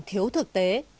thiếu thực tế